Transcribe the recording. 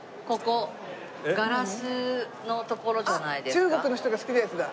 あっ中国の人が好きなやつだ。